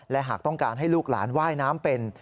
และหากต้องการให้ลูกหลานว่ายน้ำเป็น